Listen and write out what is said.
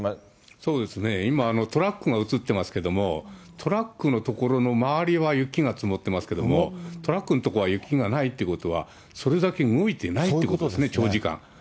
そうですね、今、トラックが映ってますけども、トラックの所の周りは雪が積もってますけども、トラックのとこは雪がないってことは、それだけ動いてないということですね、長時間。